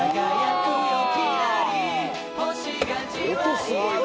音すごいな。